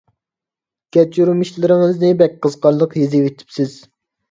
كەچۈرمىشلىرىڭىزنى بەك قىزىقارلىق يېزىۋېتىپسىز.